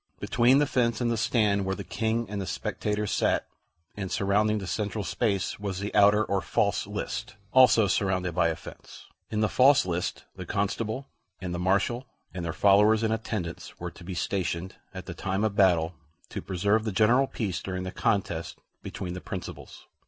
Between the fence and the stand where the King and the spectators sat, and surrounding the central space, was the outer or false list, also surrounded by a fence. In the false list the Constable and the Marshal and their followers and attendants were to be stationed at the time of battle to preserve the general peace during the contest between the principals.